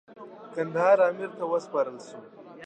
کندهار امیر ته وسپارل سو.